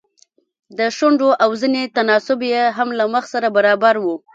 د شونډو او زنې تناسب يې هم له مخ سره برابر و.